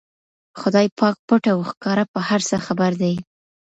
خدای پاک پټ او ښکاره په هر څه خبر دی.